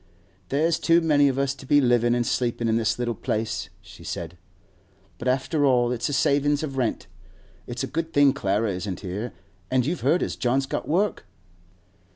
'There's too many of us to be livin' an' sleepin' in this little place,' she said; 'but, after all, it's a savin' of rent. It's a good thing Clara isn't here. An' you've heard as John's got work?